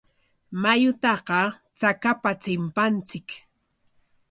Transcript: Mayutaqa chakapa chimpanchik.